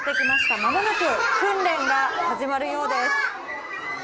まもなく訓練が始まるようです。